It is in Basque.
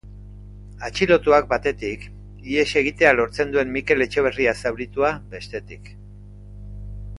Atxilotuak, batetik, ihes egitea lortzen duen Mikel Etxeberria zauritua, bestetik.